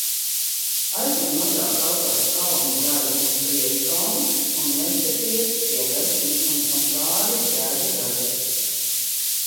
Aizņem Mazā Kaukāza kalnu daļu un priekškalnes un Meshetijas, Trialeti un Samsari grēdu daļas.